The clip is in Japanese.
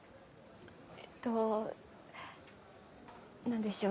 えっと何でしょう。